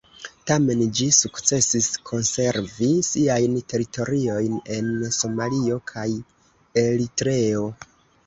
Tamen ĝi sukcesis konservi siajn teritoriojn en Somalio kaj Eritreo.